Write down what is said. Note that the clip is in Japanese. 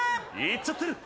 いっちゃってるー。